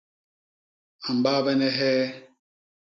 A mbaabene hee?